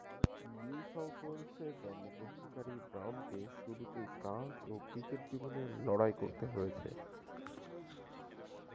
New South ওয়েলসে জন্মগ্রহণকারী ব্রাউনকে শুরুতেই কাজ ও ক্রিকেট জীবনে লড়াই করতে হয়েছে।